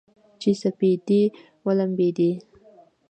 چې سپېدې ولمبیدې